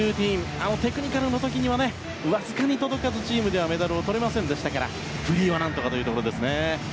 なおテクニカルの時はわずかに届かずチームではメダルをとれませんでしたからフリーでは何とかというところですね。